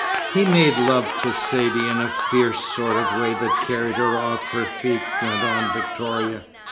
"He made love to Saidee in a fierce sort of way that carried her off her feet," went on Victoria.